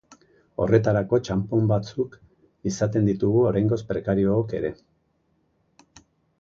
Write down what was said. Horretarako txanpon batzuk izaten ditugu oraingoz prekariook ere.